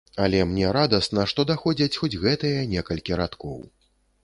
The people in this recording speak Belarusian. Але мне радасна, што даходзяць хоць гэтыя некалькі радкоў.